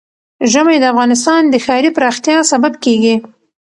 ژمی د افغانستان د ښاري پراختیا سبب کېږي.